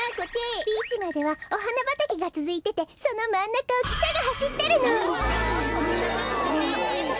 ビーチまではおはなばたけがつづいててそのまんなかをきしゃがはしってるの！わい！